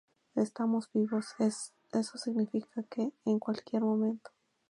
estamos vivos. eso significa que, en cualquier momento